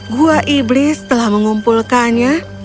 gua iblis telah mengumpulkannya